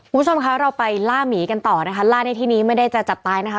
คุณผู้ชมคะเราไปล่าหมีกันต่อนะคะล่าในที่นี้ไม่ได้จะจับตายนะคะ